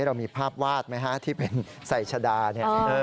เรามีภาพวาดไหมฮะที่เป็นใส่ชะดาเนี่ย